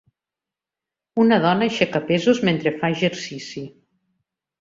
Una dona aixeca pesos mentre fa exercici.